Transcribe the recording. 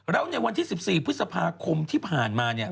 แล้วในวันที่๑๔พฤษภาคมที่ผ่านมาเนี่ย